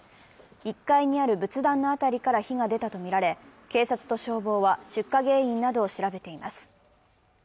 １階にある仏壇の辺りから火が出たとみられ警察と消防は出火原因などを調べています。